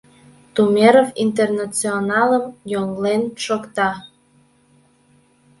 Тумеров «Интернационалым» йоҥылен шокта.